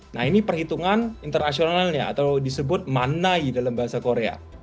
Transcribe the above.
nah ini perhitungan internasionalnya atau disebut manai dalam bahasa korea